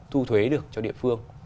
thu thuế được cho địa phương